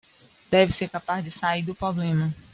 Deve ser capaz de sair do problema